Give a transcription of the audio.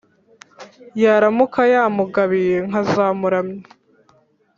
yaramuka yamugabiye nkazamuramya.